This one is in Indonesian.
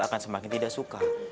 akan semakin tidak suka